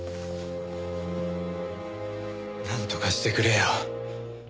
なんとかしてくれよ。